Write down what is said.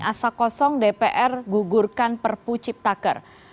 asakosong dpr gugurkan perpu ciptaker